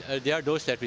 ada yang kembali